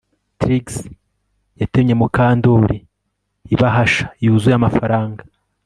Trix yatemye Mukandoli ibahasha yuzuye amafaranga